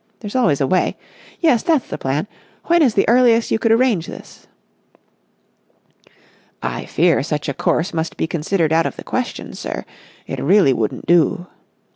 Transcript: There's always a way. Yes, that's the plan. When is the earliest you could arrange this?" "I fear such a course must be considered out of the question, sir. It really wouldn't do."